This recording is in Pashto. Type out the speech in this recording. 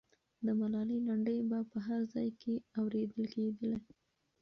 د ملالۍ لنډۍ به په هر ځای کې اورېدلې کېدلې.